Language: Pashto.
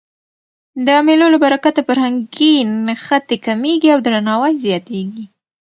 د مېلو له برکته فرهنګي نښتي کمېږي او درناوی زیاتېږي.